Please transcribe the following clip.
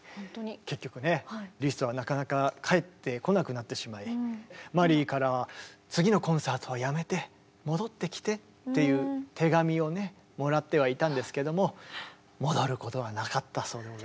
結局ねリストはなかなか帰ってこなくなってしまいマリーからは「次のコンサートはやめて戻ってきて」っていう手紙をねもらってはいたんですけども戻ることはなかったそうでございますね。